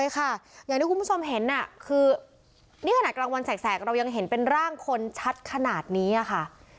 คุณผู้ชอยเห็นมันแสกเรายังเห็นเป็นร่างคนชัดขนาดนี้อ่ะค่ะ